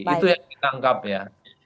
itu yang kita anggap ya